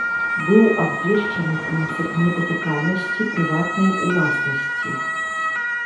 Быў абвешчаны прынцып недатыкальнасці прыватнай уласнасці.